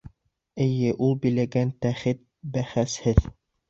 Эйе, ул биләгән тәхет бәхәсһеҙ.